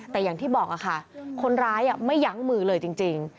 แต่อย่างที่บอกค่ะคนร้ายไม่ยั้งมือเลยจริง